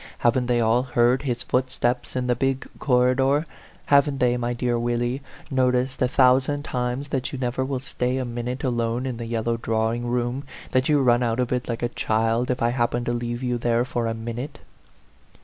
Haven't they all heard his footsteps in the big corridor ? Haven't they, my dear Willie, noticed a thousand times that you never will stay a minute alone in the yellow draw ing room that you run out of it, like a child, if I happen to leave you there for a minute?"